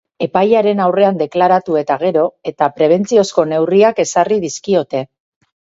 Epailearen aurrean deklaratu eta gero, eta prebentziozko neurriak ezarri dizkiote.